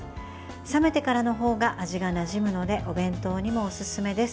冷めてからの方が味がなじむのでお弁当にもおすすめです。